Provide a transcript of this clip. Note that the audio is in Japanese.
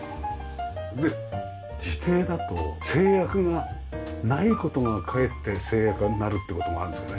で自邸だと制約がない事がかえって制約になるって事があるんですよね。